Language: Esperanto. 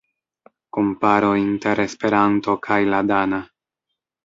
Komparo inter Esperanto kaj la dana.